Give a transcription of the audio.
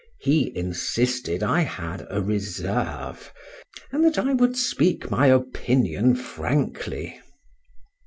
—He insisted I had a reserve, and that I would speak my opinion frankly.